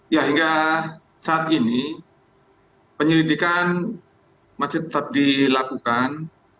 ya hingga saat ini penyelidikan masih tetap dilakukan